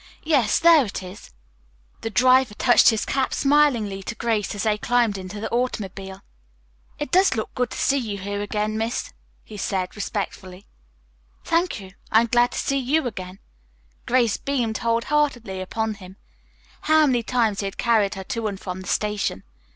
Yes, there it is." The driver touched his cap smilingly to Grace as they climbed into the automobile, "It does look good to see you here again, miss," he said respectfully. "Thank you. I'm glad to see you again." Grace beamed whole heartedly upon him. How many times he had carried her to and from the station.